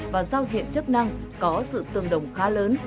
và giao diện chức năng có sự tương đồng khá lớn